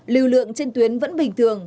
lưu lượng trên tuyến vẫn bình thường